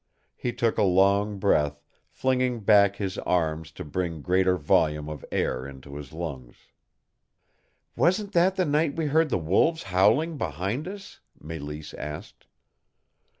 He took a long breath, flinging back his arms to bring greater volume of air into his lungs. "Wasn't that the night we heard the wolves howling behind us?" Mélisse asked.